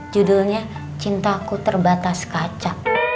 judulnya cinta aku terbatas kaca